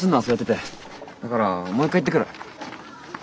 だからもう一回行ってくる。